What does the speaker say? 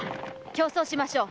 競走しましょう。